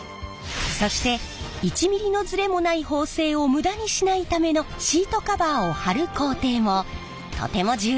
そして１ｍｍのズレもない縫製を無駄にしないためのシートカバーを張る工程もとても重要な作業。